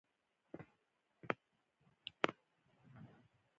په ژمي کې کمزوری ګرځي.